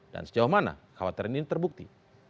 dan sejauh mana khawatir ini terbukti